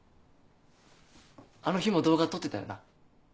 あの日も動画撮ってたよな？